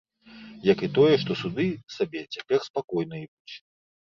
Як і тое, што суды сабе цяпер спакойна ідуць.